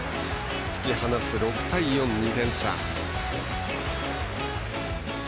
突き放す６対４、２点差。